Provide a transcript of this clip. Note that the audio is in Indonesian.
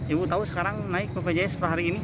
ibu tahu sekarang naik ke ppjs setelah hari ini